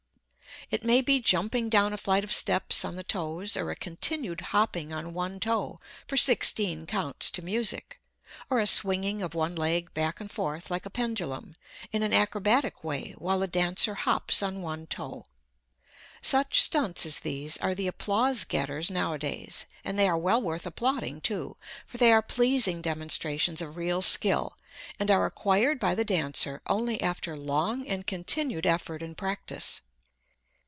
It may be jumping down a flight of steps on the toes, or a continued hopping on one toe for 16 counts to music, or a swinging of one leg back and forth, like a pendulum, in an acrobatic way while the dancer hops on one toe such stunts as these are the applause getters nowadays, and they are well worth applauding, too, for they are pleasing demonstrations of real skill, and are acquired by the dancer only after long and continued effort and practice.